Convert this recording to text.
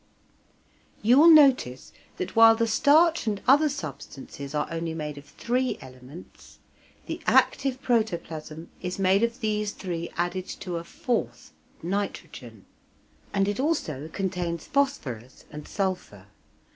You will notice that while the starch and other substances are only made of three elements, the active protoplasm is made of these three added to a fourth, nitrogen, and it also contains phosphorus and sulphur.